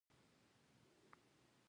په هغه صورت کې چې اداره منحله شي.